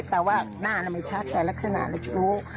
แต่ว่าหน้าไม่ชัดแต่ลักษณะชู้